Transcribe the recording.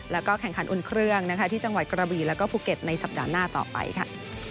แล้วก็แข่งขันอุ่นเครื่องนะคะที่จังหวัดกระบีแล้วก็ภูเก็ตในสัปดาห์หน้าต่อไปค่ะ